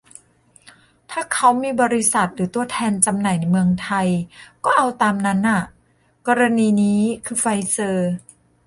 ถ้าเขามีบริษัทหรือตัวแทนจำหน่ายในเมืองไทย ก็เอาตามนั้นอ่ะ กรณีนี้คือ "ไฟเซอร์"